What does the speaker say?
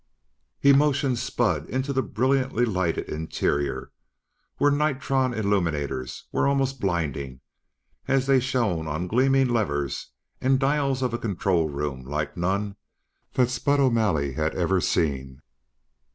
He motioned Spud into the brilliantly lighted interior, where nitron illuminators were almost blinding as they shone of gleaming levers and dials of a control room like none that Spud O'Malley had ever seen.